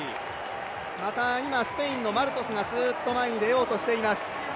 また今、スペインのマルトスがすっと前に出ようとしています。